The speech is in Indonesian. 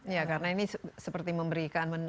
ya karena ini seperti memberikan